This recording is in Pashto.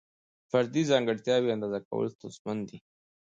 فردي ځانګړتیاوې اندازه کول ستونزمن دي.